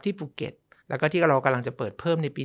ภูเก็ตแล้วก็ที่เรากำลังจะเปิดเพิ่มในปี๒